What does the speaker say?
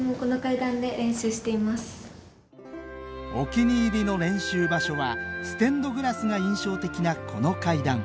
お気に入りの練習場所はステンドグラスが印象的なこの階段。